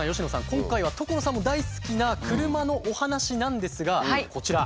今回は所さんも大好きな車のお話なんですがこちら。